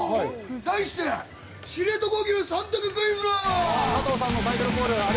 題して、知床牛３択クイズ！